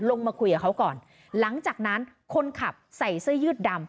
ลงมาคุยกับเขาก่อนหลังจากนั้นคนขับใส่เสื้อยืดดำ